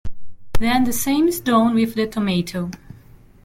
Then the same is done with the tomato.